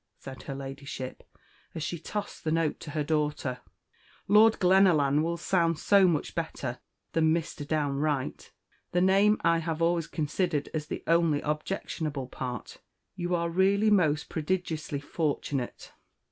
said her Ladyship, as she tossed the note to her daughter; "Lord Glenallan will sound so much better than Mr. Downe Wright. The name I have always considered as the only objectionable part. You are really most prodigiously fortunate."